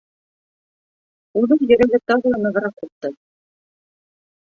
Уның йөрәге тағы ла нығыраҡ һуҡты.